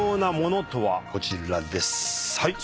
こちらです。